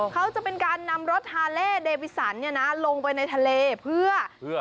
เขาจะเป็นการนำรถฮาเล่เดบิสันเนี่ยนะลงไปในทะเลเพื่อ